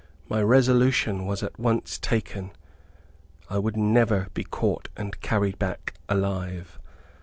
My resolution was at once taken. I would never be caught and carried back alive.